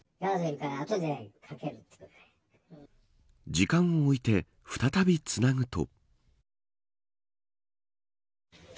時間を置いて再びつなぐと。